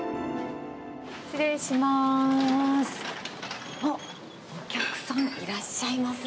失礼します。